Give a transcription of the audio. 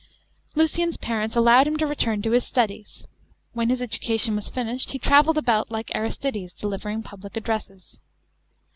Lucian's parents allowed him to return to his studies. When his education was finished, he travelled about, like Aristides, delivering public addresses.